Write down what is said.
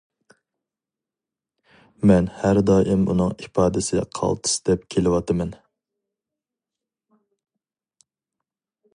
مەن ھەر دائىم ئۇنىڭ ئىپادىسى قالتىس دەپ كېلىۋاتىمەن.